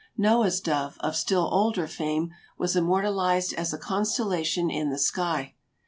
Noah's dove, of still older fame, was immortalized as a constellation in the sky.